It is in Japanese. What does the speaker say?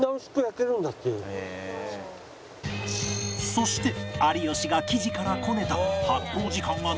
そして有吉が生地からこねた